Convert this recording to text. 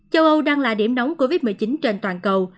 châu âu đang là điểm nóng covid một mươi chín trên toàn cầu